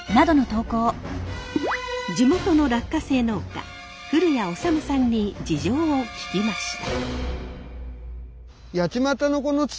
地元の落花生農家古谷長武さんに事情を聞きました。